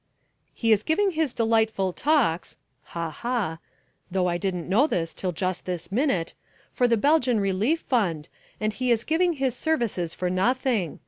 He is giving his delightful talks (ha! ha!) though I didn't know this till just this minute for the Belgian Relief Fund, and he is giving his services for nothing.